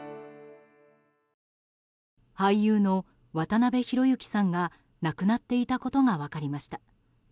俳優の渡辺裕之さんが亡くなっていたことが分かりました。